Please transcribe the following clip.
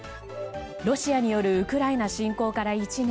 ロシアによるウクライナ侵攻から１年。